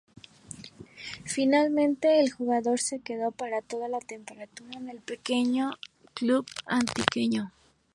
Finalmente, el jugador se quedó para toda la temporada en el club antioqueño.